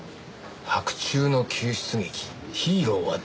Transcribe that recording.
「白昼の救出劇ヒーローはどこに！？」